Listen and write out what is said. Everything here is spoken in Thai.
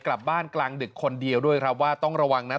กลับบ้านกลางดึกคนเดียวด้วยครับว่าต้องระวังนะ